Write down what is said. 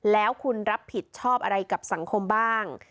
แล้วคุณรับผิดชอบอะไรกับสังคมบ้าง